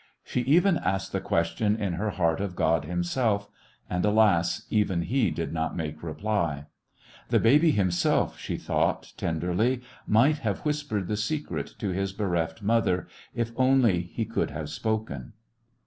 She even asked the question in her heart of Grod Himself 9 and, alas, even He did not make reply. The baby himself, she thought tenderly, might have whispered the secret to his bereft mother if only he could have spoken.